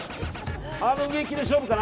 あの植木で勝負かな。